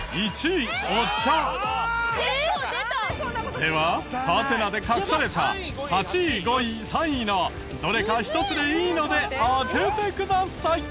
ではハテナで隠された８位５位３位のどれか１つでいいので当ててください。